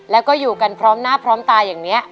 แล้วก็อยู่กันพร้อมหน้าพร้อมตาอย่างนี้